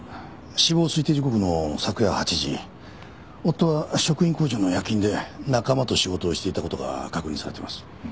死亡推定時刻の昨夜８時夫は食品工場の夜勤で仲間と仕事をしていた事が確認されてます。